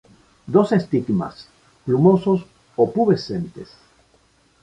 Dos estigmas; plumosos, o pubescentes.